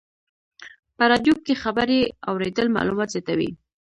په رادیو کې خبرې اورېدل معلومات زیاتوي.